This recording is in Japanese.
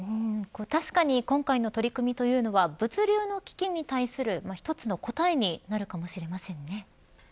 確かに今回の取り組みというのは物流の危機に対する一つの答えになるかもしれませんね。